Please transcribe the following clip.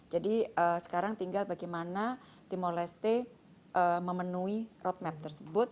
jadi sekarang tinggal bagaimana timor leste memenuhi roadmap tersebut